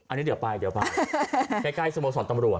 อันนี้เดี๋ยวไปใกล้สมสอนตำรวจ